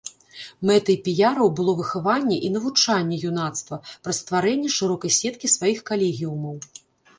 Мэтай піяраў было выхаванне і навучанне юнацтва праз стварэнне шырокай сеткі сваіх калегіумаў.